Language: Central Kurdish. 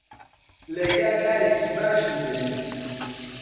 لەیلا کارێکی باشی دەویست.